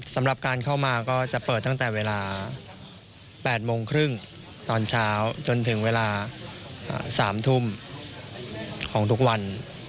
สำหรับการเข้ามาก็จะเปิดตั้งแต่เวลา๘โมงครึ่งตอนเช้าจนถึงเวลา๓ทุ่มของทุกวัน